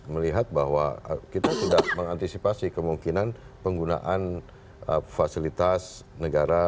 melihat bahwa kita sudah mengantisipasi kemungkinan penggunaan fasilitas negara